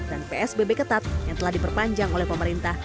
dan psbb ketat yang telah diperpanjang oleh pemerintah